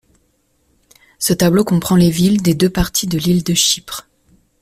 Ce tableau comprend les villes des deux parties de l'île de Chypre.